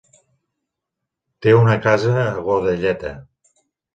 Té una casa a Godelleta.